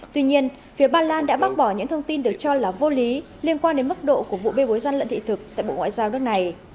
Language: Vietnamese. tuy nhiên phía ba lan đã bác bỏ những thông tin được cho là vô lý liên quan đến mức độ của vụ bê bối gian lận thị thực tại bộ ngoại giao nước này